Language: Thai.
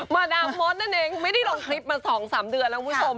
มาดามมดนั่นเองไม่ได้ลงคลิปมา๒๓เดือนแล้วคุณผู้ชม